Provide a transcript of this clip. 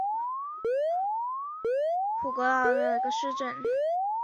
普里格利茨是奥地利下奥地利州诺因基兴县的一个市镇。